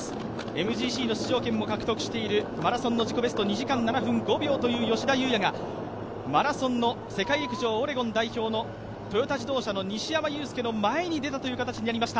ＭＧＣの出場権も獲得しているマラソンの自己ベスト、２時間７分５秒という吉田祐也がマラソンの世界陸上オレゴン代表のトヨタ自動車の西山雄介の前に出たという形になりました。